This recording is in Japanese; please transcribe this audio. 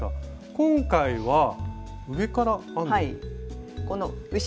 今回は上から編んでいく？